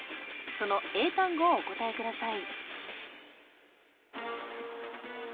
その英単語をお答えください